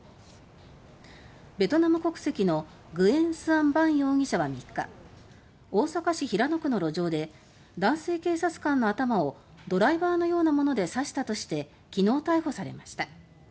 ベトナム国籍のグエン・スアン・バン容疑者は３日大阪市平野区の路上で男性警察官の頭をドライバーのようなもので刺したとして昨日逮捕されました。